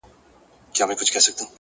هره موخه د حوصلې غوښتنه کوي!.